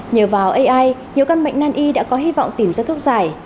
nhờ vào ai nhiều căn bệnh nan y đã có hy vọng tìm ra thuốc giải